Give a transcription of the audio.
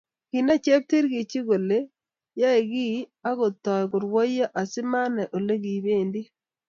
Kinai cheptikirchetik kole yakiy akotou korwaiyo asimanai olebendi